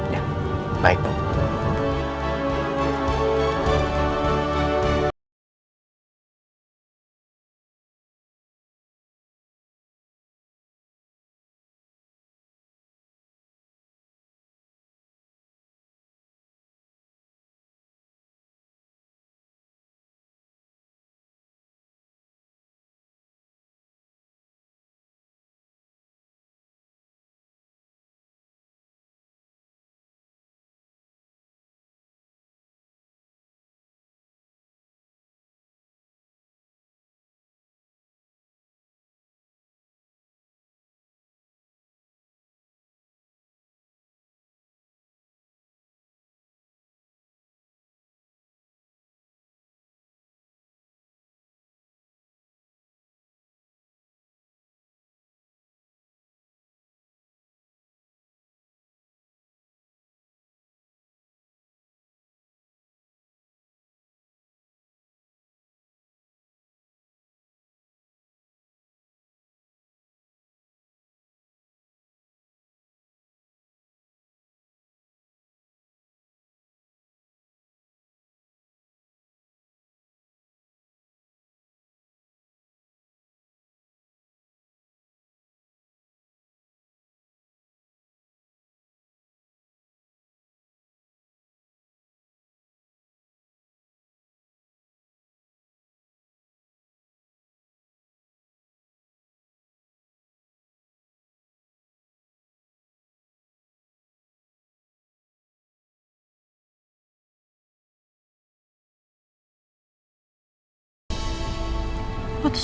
ya baik bu